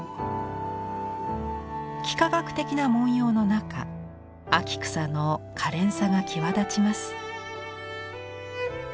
幾何学的な文様の中秋草のかれんさが際立ちます。